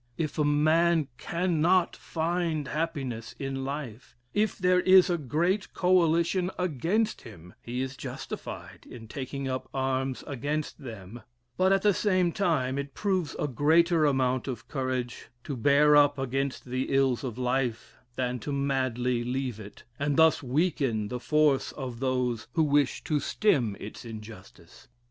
If a man cannot find happiness in life, if there is a great coalition against him, he is justified in taking up arms against them; but, at the same time, it proves a greater amount of courage "to bear up against the ills of life" than to madly leave it, and thus weaken the force of those who wish to stem its injustice.